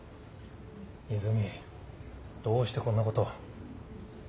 和泉どうしてこんなことを。